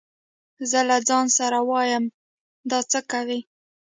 زه له ځان سره وايم دا څه کوي.